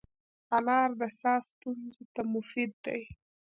انار د ساه ستونزو ته مفید دی.